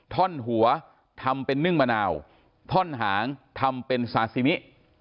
ท่อนหัวทำเป็นนึ่งมะนาวท่อนหางทำเป็นซาซิมิ